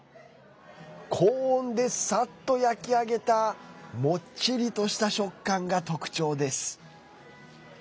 高温でさっと焼き上げたもっちりとした食感が特徴です。